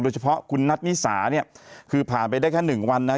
โดยเฉพาะคุณนัทนิสาเนี่ยคือผ่านไปได้แค่หนึ่งวันนะ